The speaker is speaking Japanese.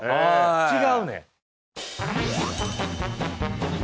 違うねん。